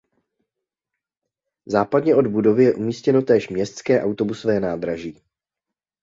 Západně od budovy je umístěno též městské autobusové nádraží.